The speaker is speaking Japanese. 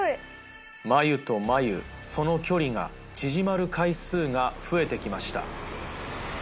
眉と眉その距離が縮まる回数が増えてきました。